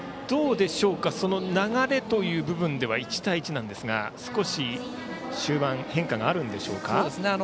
その流れという部分では１対１なんですが少し終盤、変化があるでしょうか。